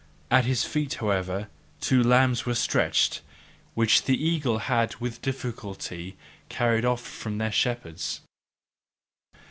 At his feet, however, two lambs were stretched, which the eagle had with difficulty carried off from their shepherds.